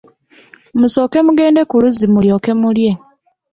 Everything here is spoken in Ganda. Musooke mugende ku luzzi mulyoke mulye.